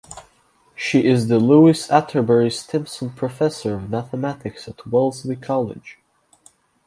She is the Lewis Atterbury Stimson Professor of Mathematics at Wellesley College.